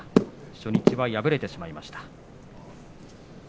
初日は敗れてしまいました。